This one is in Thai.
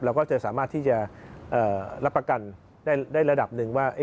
เราก็จะสามารถที่จะรับประกันได้ระดับหนึ่งว่า